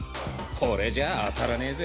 これじゃ当たらねぇぜ。